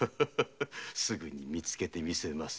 すぐにみつけて見せます。